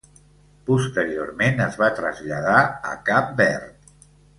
Posteriorment es va traslladar a Cap Verd.